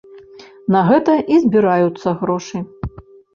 На гэта і збіраюцца грошы.